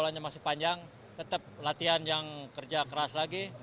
latihannya masih panjang tetap latihan yang kerja keras lagi